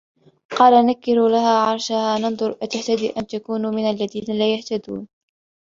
قال نكروا لها عرشها ننظر أتهتدي أم تكون من الذين لا يهتدون